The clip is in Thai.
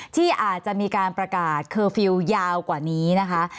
ที่อาจจะมีการประกาศเคอร์ฟิลล์ยาวกว่านี้นะคะ